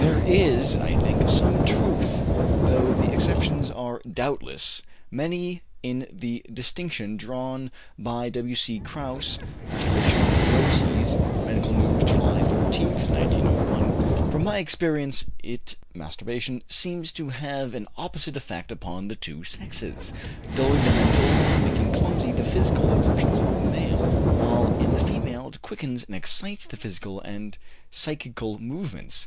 There is, I think, some truth though the exceptions are doubtless many in the distinction drawn by W.C. Krauss ("Masturbational Neuroses," Medical News, July 13, 1901): "From my experience it [masturbation] seems to have an opposite effect upon the two sexes, dulling the mental and making clumsy the physical exertions of the male, while in the female it quickens and excites the physical and psychical movements.